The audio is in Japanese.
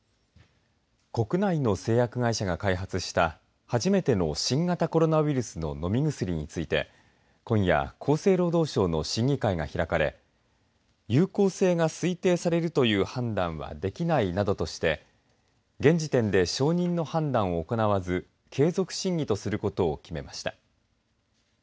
国内の製薬会社が開発した初めての新型コロナウイルスの飲み薬について今夜厚生労働省の審議会が開かれ有効性が推定されるという判断はできないなどとして現時点で承認の判断を行わず継続審議とすることを決めました。